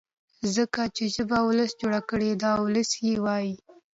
ځکه چي ژبه ولس جوړه کړې ده او ولس يې وايي.